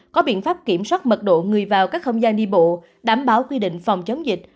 có biện pháp kiểm soát mật độ người vào các không gian đi bộ đảm bảo quy định phòng chống dịch